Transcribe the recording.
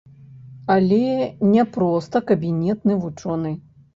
Але не проста кабінетны вучоны.